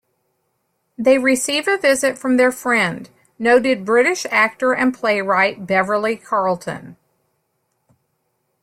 They receive a visit from their friend, noted British actor and playwright Beverly Carlton.